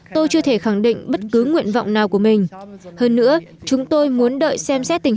tôi chưa thể khẳng định bất cứ nguyện vọng nào của mình hơn nữa chúng tôi muốn đợi xem xét tình